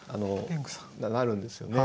鳴るんですよね。